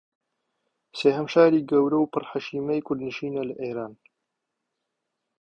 سێھەم شاری گەورە و پر حەشیمەی کوردنشینە لە ئیران